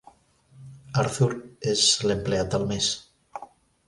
Arthur és l'empleat del mes.